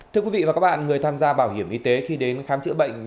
thưa quý vị và các bạn người tham gia bảo hiểm y tế khi đến khám chữa bệnh